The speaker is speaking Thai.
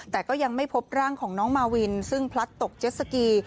แต่ก็ยังไม่พบร่างของน้องมาวินซึ่งพลัดตกเจ็ดสกี